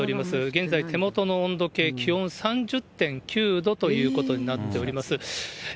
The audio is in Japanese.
現在、手元の温度計、気温３０．９度ということになっております。